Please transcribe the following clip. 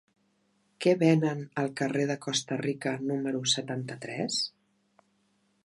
Què venen al carrer de Costa Rica número setanta-tres?